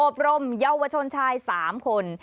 บรมเยาวชนชาย๓คน